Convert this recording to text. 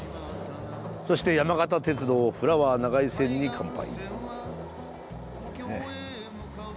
そして山形鉄道フラワー長井線に乾杯。